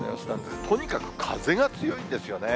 とにかく風が強いんですよね。